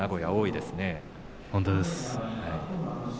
本当ですね。